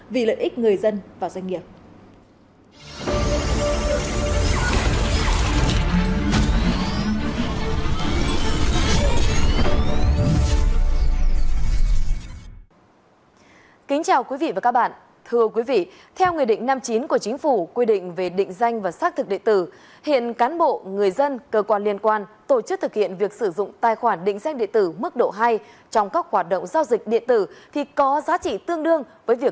vì lợi ích người dân và doanh nghiệp